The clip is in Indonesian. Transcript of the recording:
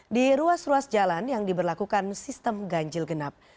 di ruas ruas jalan yang diberlakukan sistem ganjil genap